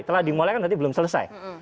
telah dimulai kan berarti belum selesai